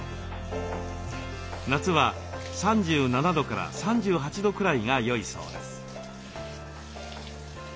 夏は３７度３８度くらいがよいそうです。